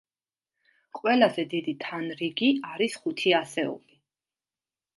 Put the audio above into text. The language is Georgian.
ყველაზე დიდი თანრიგი არის ხუთი ასეული.